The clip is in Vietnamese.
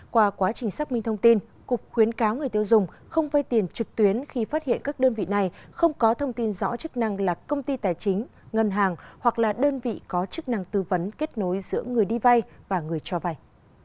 qua quá trình xác minh thông tin cục khuyến cáo người tiêu dùng không vay tiền trực tuyến khi phát hiện các đơn vị này không có thông tin rõ chức năng là công ty tài chính ngân hàng hoặc là đơn vị có chức năng tư vấn kết nối giữa người đi vay và người cho vay